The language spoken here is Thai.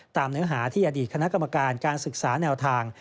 เนื้อหาที่อดีตคณะกรรมการการศึกษาแนวทาง